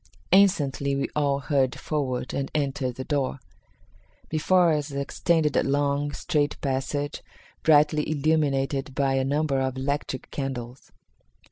Instantly we all hurried forward and entered the door. Before us extended a long, straight passage, brightly illuminated by a number of electric candles.